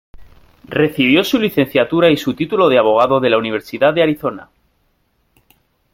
Recibió su licenciatura y su título de abogado de la Universidad de Arizona.